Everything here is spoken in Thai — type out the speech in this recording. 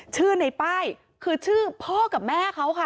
ชื่อในป้ายคือชื่อพ่อกับแม่เขาค่ะ